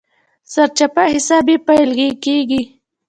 سرچپه حساب يې پيلېږي.